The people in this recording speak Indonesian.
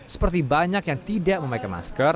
seperti banyak yang tidak memakai masker